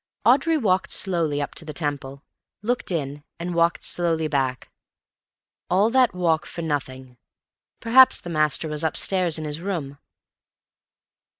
Audrey walked slowly up to the Temple, looked in and walked slowly back. All that walk for nothing. Perhaps the master was upstairs in his room.